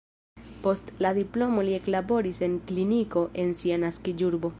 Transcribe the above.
Post la diplomo li eklaboris en kliniko en sia naskiĝurbo.